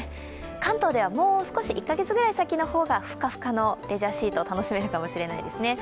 関東ではもう少し、１か月ぐらい先の方がふかふかのレジャーシートを楽しめるかもしれないですね。